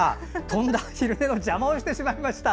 とんだ昼寝の邪魔をしてしまいました。